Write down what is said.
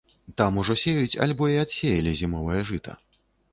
Там ужо сеюць альбо і адсеялі зімовае жыта.